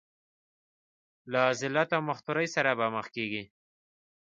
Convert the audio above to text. له ذلت او مختورۍ سره به مخ کېږي.